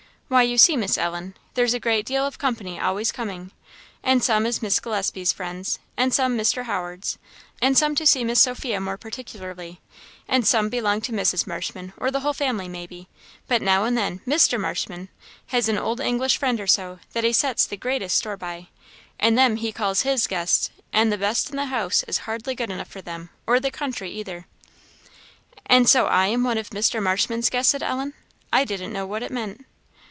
"Why, you see, Miss Ellen, there's a deal of company always coming, and some is Mrs. Gillespie's friends, and some Mr. Howard's, and some to see Miss Sophia more particularly, and some belong to Mrs. Marshman, or the whole family, maybe; but now and then Mr. Marshman, has an old English friend or so, that he sets the greatest store by; and then he calls his guests; and the best in the house is hardly good enough for them, or the country either." "And so I am one of Mr. Marshman's guests?" said Ellen, "I didn't know what it meant."